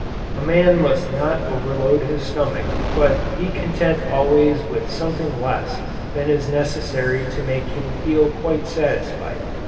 A man must not overload his stomach but be content always with something less than is necessary to make him feel quite satisfied.